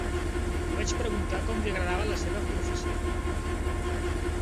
Li vaig preguntar com li agradava la seva professió.